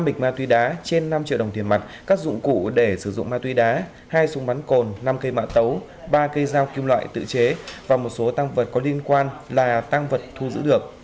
hai bịch ma túy đá trên năm triệu đồng tiền mặt các dụng cụ để sử dụng ma túy đá hai súng bắn cồn năm cây mã tấu ba cây dao kim loại tự chế và một số tăng vật có liên quan là tăng vật thu giữ được